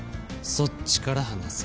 そっちから話せ。